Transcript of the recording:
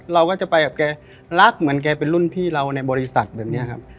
เราก็จะไปกับแกรักเหมือนแกเป็นรุ่นพี่เราในบริษัทแบบนี้ครับ